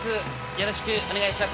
よろしくお願いします。